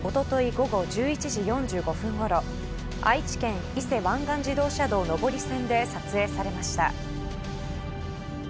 午後１１時４５分ごろ愛知県伊勢湾岸自動車道上り線で撮影されました。